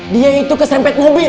dia itu kesempet mobil